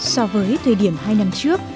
so với thời điểm hai năm trước